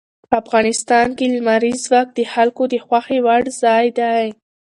افغانستان کې لمریز ځواک د خلکو د خوښې وړ ځای دی.